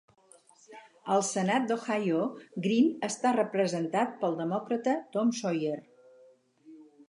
Al senat d'Ohio, Green està representat pel demòcrata Tom Sawyer.